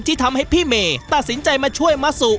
ที่ทำให้พี่เมย์ตัดสินใจมาช่วยมะสุ